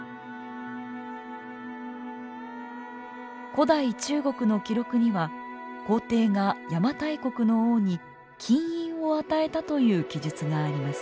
古代中国の記録には「皇帝が邪馬台国の王に金印を与えた」という記述があります。